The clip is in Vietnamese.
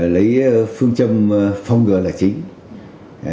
lấy phương châm phong ngừa là chính